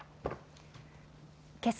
けさ